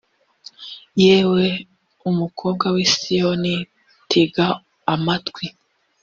yewe mukobwa w’i siyoni tega amatwi